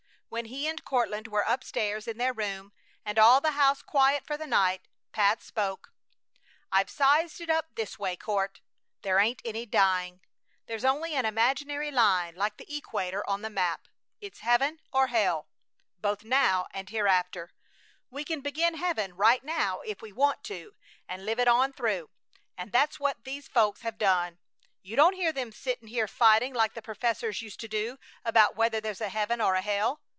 When he and Courtland were up stairs in their room, and all the house quiet for the night, Pat spoke: "I've sized it up this way, Court. There ain't any dying! That's only an imaginary line like the equator on the map. It's heaven or hell, both now and hereafter! We can begin heaven right now if we want to, and live it on through; and that's what these folks have done. You don't hear them sitting here fighting like the professors used to do, about whether there's a heaven or a hell!